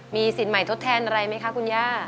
มีสินใหม่ทดแทนอะไรไหมคะคุณย่า